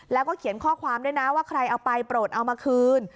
แล้วก็เขียนข้อความด้วยนะว่าใครเอาไปโปรดเอามาคืน